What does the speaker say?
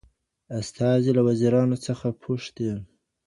استازي له وزیرانو څه پوښتي؟